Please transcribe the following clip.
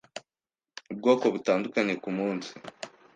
ubwoko butandukanye ku munsi